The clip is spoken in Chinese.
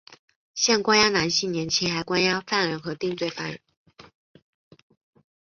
现关押男性年青还押犯人和定罪犯人。